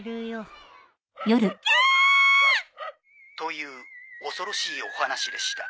・という恐ろしいお話でした。